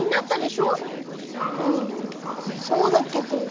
うんそうだけど。